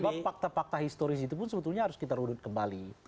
sebab fakta fakta historis itu pun sebetulnya harus kita rudut kembali